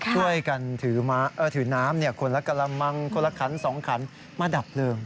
ช่วยกันถือน้ำคนละกะละมังคนละครั้ง๒ครั้งมาดับเปลือง